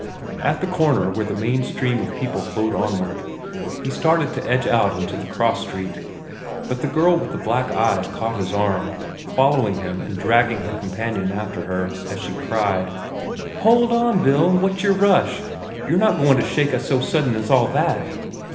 At the corner where the main stream of people flowed onward, he started to edge out into the cross street. But the girl with the black eyes caught his arm, following him and dragging her companion after her, as she cried: "Hold on, Bill! What's yer rush? You're not goin' to shake us so sudden as all that?"